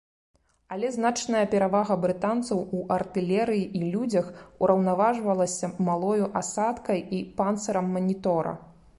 Але значная перавага брытанцаў у артылерыі і людзях ураўнаважвалася малою асадкай і панцырам манітора.